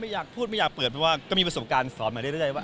อยากพูดไม่อยากเปิดเพราะว่าก็มีประสบการณ์สอนมาเรื่อยว่า